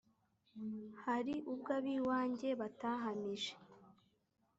Hari ubwo ab iwanjye batahamije